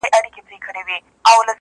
لاندي باندي یو په بل کي سره بندي!!